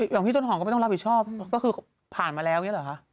อ้าวแล้วพี่ต้นหอมก็ไม่ต้องรับผิดชอบก็คือผ่านมาแล้วเนี่ยเหรอคะ